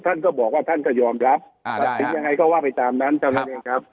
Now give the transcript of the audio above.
ท่านก็บอกว่าท่านก็ยอมรับประสิทธิ์ยังไงก็ว่าไปตามนั้นเจ้าแม่เนี่ยครับ